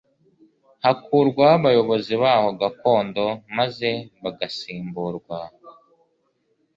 hakurwaho abayobozi baho gakondo maze bagasimburwa